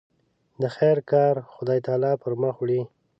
د خیر کار خدای تعالی پر مخ وړي.